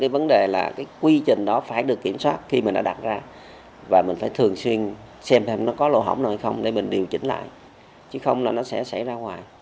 vấn đề là quy trình đó phải được kiểm soát khi mình đã đặt ra